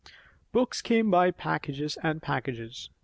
Books came by packages and packages.